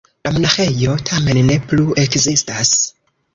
La monaĥejo tamen ne plu ekzistas.